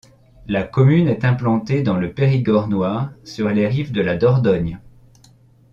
La commune est implantée dans le Périgord noir sur les rives de la Dordogne.